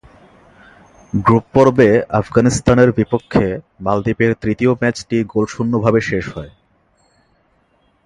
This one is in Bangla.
গ্রুপ পর্বে আফগানিস্তানের বিপক্ষে মালদ্বীপের তৃতীয় ম্যাচটি গোলশূন্যভাবে শেষ হয়।